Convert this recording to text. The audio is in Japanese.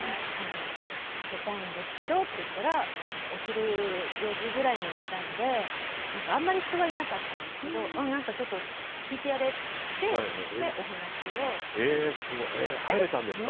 出たいんですけどって言ったらお昼４時ぐらいに行ったのであんまり人がいなかったんですけど何かちょっと聞いてやれっていって入れたんですか？